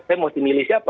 saya mau dimilih siapa